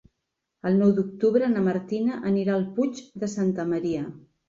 El nou d'octubre na Martina anirà al Puig de Santa Maria.